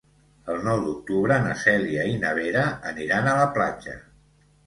El nou d'octubre na Cèlia i na Vera aniran a la platja.